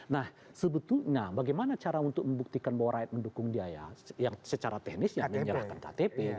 nah sebetulnya bagaimana cara untuk membuktikan bahwa rakyat mendukung dia ya yang secara teknis yang menyerahkan ktp